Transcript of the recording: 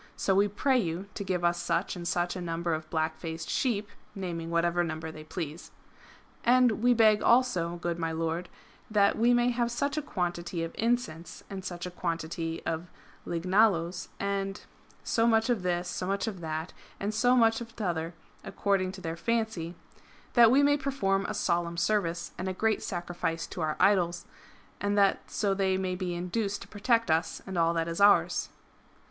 So we pray you to give us such and such a number of black faced sheep," naming whatever number they please. " And we beg also, good my lord, that we may have such a quantity of incense, and such a quantity of lignaloes, and "— so much of this, so much of that, and so much of t'other, accord ing to their fancy —" that we may perform a solemn service and a great sacrifice to our Idols, and that so they may be induced to protect us and all that is ours."